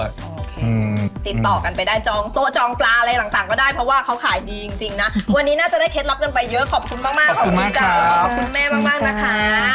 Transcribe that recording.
โอเคติดต่อกันไปได้จองโต๊ะจองปลาอะไรต่างก็ได้เพราะว่าเขาขายดีจริงนะวันนี้น่าจะได้เคล็ดลับกันไปเยอะขอบคุณมากขอบคุณจ๋าขอบคุณแม่มากนะคะ